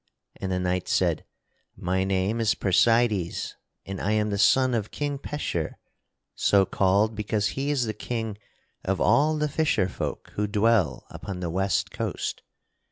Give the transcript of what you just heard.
And the knight said: "My name is Percydes and I am the son of King Pecheur so called because he is the king of all the fisher folk who dwell upon the West coast.